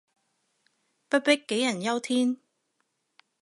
不必杞人憂天